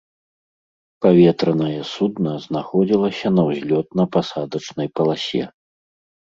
Паветранае судна знаходзілася на ўзлётна-пасадачнай паласе.